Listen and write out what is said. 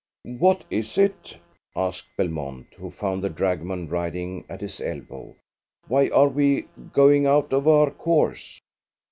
"What is it?" asked Belmont, who found the dragoman riding at his elbow. "Why are we going out of our course?"